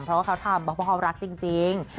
เพราะเค้าทำเพราะเค้ารักจริง